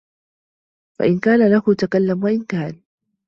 فَإِنْ كَانَ لَهُ تَكَلَّمَ وَإِنْ كَانَ